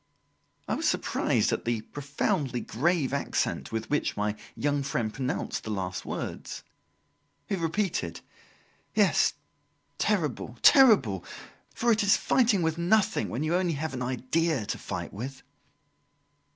I was surprised at the profoundly grave accent with which my young friend pronounced the last words. He repeated: "Yes terrible! terrible! For it is fighting with nothing, when you have only an idea to fight with."